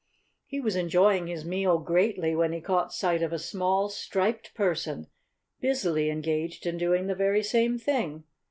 He was enjoying his meal greatly when he caught sight of a small, striped person busily engaged in doing the very same thing.